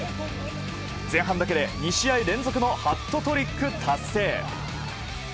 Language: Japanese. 前半だけで２試合連続のハットトリック達成！